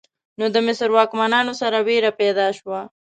نو د مصر واکمنانو سره ویره پیدا شوه.